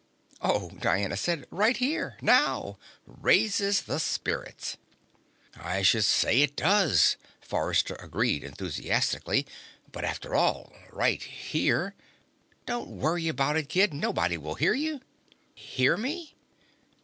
"Oh," Diana said. "Right here. Now. Raises the spirits." "I should say it does!" Forrester agreed enthusiastically. "But after all right here " "Don't worry about it, kid. Nobody will hear you." "Hear me?"